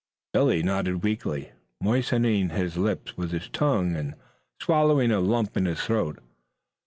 Billy nodded weakly, moistening his lips with his tongue and swallowing a lump in his throat.